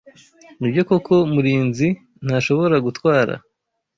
Nibyo koko Murinzi ntashobora gutwara?